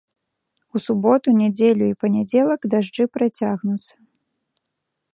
У суботу, нядзелю і панядзелак дажджы працягнуцца.